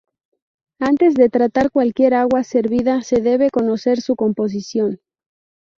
Antes de tratar cualquier agua servida se debe conocer su composición.